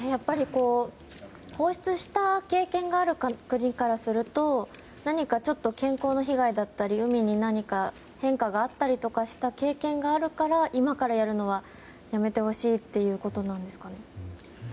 放出した経験がある国からすると健康の被害だったり海に何か変化があったりした経験があるから今からやるのはやめてほしいってことですかね。